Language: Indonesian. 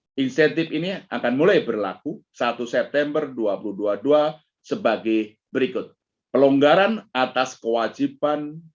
insentif ini akan mulai berlaku satu september dua ribu dua puluh dua sebagai berikut pelonggaran atas kewajiban